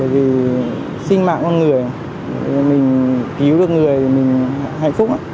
thì sinh mạng con người mình cứu được người thì mình hạnh phúc